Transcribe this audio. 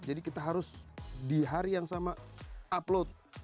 jadi kita harus di hari yang sama upload